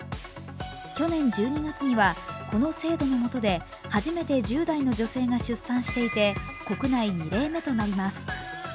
去年１２月にはこの制度の下で初めて１０代の女性が出産していて国内２例目となります。